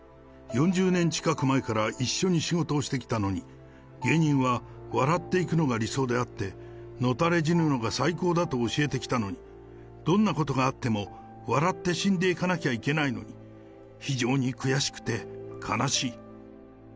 ４０年近く前から、一緒に仕事をしてきたのに、芸人は笑っていくのが理想であって、のたれ死ぬのが最高だと教えてきたのに、どんなことがあっても、笑って死んでいかなきゃいけないのに、非常に悔しくて、悲しい。